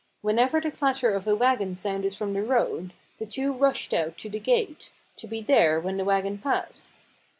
Whenever the clatter of a wagon sounded from the road, the two rushed out to the gate, to be there when the wagon passed.